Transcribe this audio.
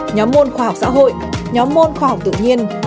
nhóm môn khoa học xã hội nhóm môn khoa học tự nhiên